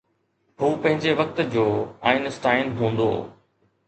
هو پنهنجي وقت جو آئن اسٽائن هوندو.